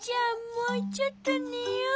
もうちょっとねよう。